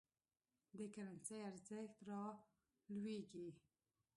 د کرنسۍ ارزښت رالویږي.